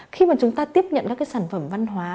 khi mà chúng ta tiếp nhận các cái sản phẩm văn hóa